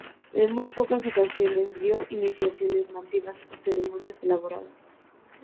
En muy pocas ocasiones dio iniciaciones masivas o ceremonias elaboradas.